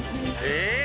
えっ！